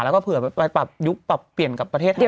แล้วก็เผื่อไปปรับยุคปรับเปลี่ยนกับประเทศไทย